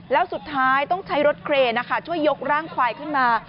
แล้วสุดท้ายต้องใช้รถเครนช่วยยกร่างควายขึ้นมา